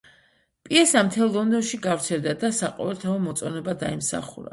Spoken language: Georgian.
პიესა მთელ ლონდონში გავრცელდა და საყოველთაო მოწონება დაიმსახურა.